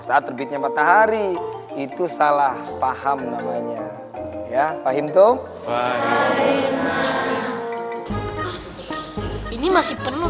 saat terbitnya matahari itu salah paham namanya ya pahim tuh ini masih penuh